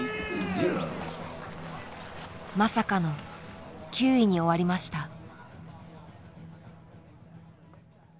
まさかの９位に終わりました。